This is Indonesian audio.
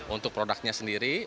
untuk produknya sendiri